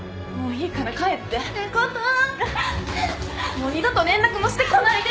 もう二度と連絡もしてこないで。